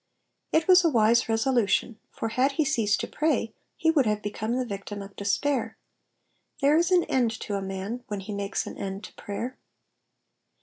''^ It was a wise resolution, for had he ceased to pray he would have become the victim of despair ; there is an end to a man when he makes an end to prayer.